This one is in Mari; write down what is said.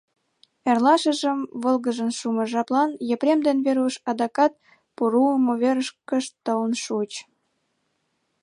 Эрлашыжым волгыжын шумо жаплан Епрем ден Веруш адакат пу руымо верышкышт толын шуыч.